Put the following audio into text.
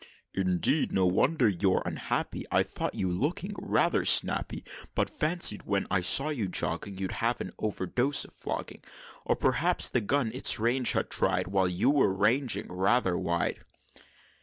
"Indeed! No wonder you're unhappy! I thought you looking rather snappy; But fancied, when I saw you jogging, You'd had an overdose of flogging; Or p'rhaps the gun its range had tried While you were ranging rather wide."